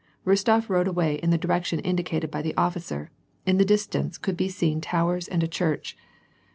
Rostof rode away in the direction indicated by the officer ; in the distance could be seen towers and a church.